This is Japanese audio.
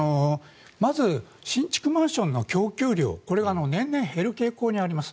まず新築マンションの供給量これは年々減る傾向にあります。